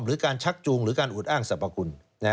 หรือการชักจูงหรือการอวดอ้างสรรพคุณ